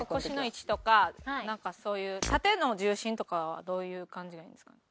なんかそういう縦の重心とかはどういう感じがいいんですかね？